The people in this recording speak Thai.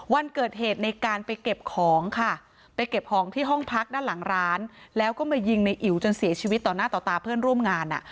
วันเกิดเหตุในการไปเก็บของค่ะไปเก็บของที่ห้องพักด้านหลังร้านแล้วก็มายิงในอิ๋วจนเสียชีวิตต่อหน้าต่อตาเพื่อนร่วมงาน